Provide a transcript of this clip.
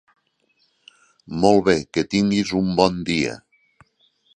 Molt bé, que tinguis un bon dia.